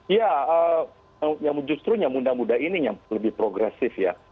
ya yang justrunya muda muda ini yang lebih progresif ya